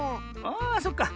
あそっか。